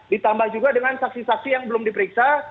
ditambah juga dengan saksi saksi yang belum diperiksa